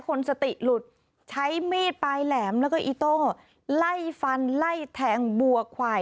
คนสติหลุดใช้มีดปลายแหลมแล้วก็อีโต้ไล่ฟันไล่แทงบัวควาย